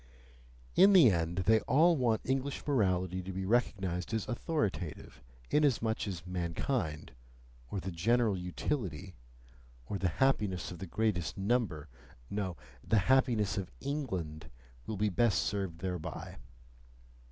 In the end, they all want English morality to be recognized as authoritative, inasmuch as mankind, or the "general utility," or "the happiness of the greatest number," no! the happiness of ENGLAND, will be best served thereby.